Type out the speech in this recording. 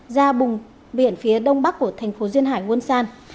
ra bùng biển phía đông bắc của thành phố duyên hải quân sàn